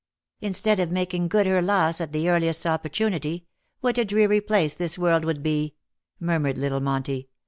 " Instead of making good her loss at the earliest opportunity, what a dreary place this world would be/' murmured little Monty.